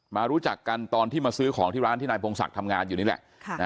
รู้จักกันตอนที่มาซื้อของที่ร้านที่นายพงศักดิ์ทำงานอยู่นี่แหละ